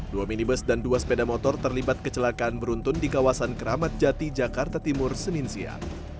dua minibus dan dua sepeda motor terlibat kecelakaan beruntun di kawasan keramat jati jakarta timur senin siang